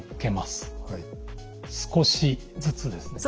少しずつですね。